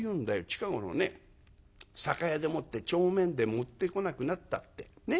『近頃ね酒屋でもって帳面で持ってこなくなった』って。ね？